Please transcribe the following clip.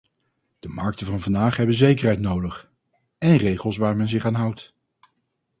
De markten van vandaag hebben zekerheid nodig, en regels waar men zich aan houdt.